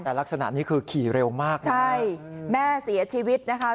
แต่ลักษณะนี้คือขี่เร็วมากนะใช่แม่เสียชีวิตนะคะ